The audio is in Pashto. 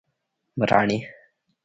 مراڼی